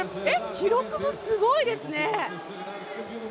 記録もすごいですね。